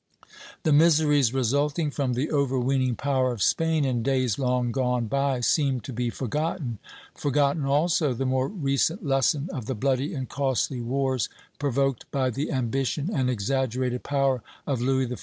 The miseries resulting from the overweening power of Spain in days long gone by seemed to be forgotten; forgotten also the more recent lesson of the bloody and costly wars provoked by the ambition and exaggerated power of Louis XIV.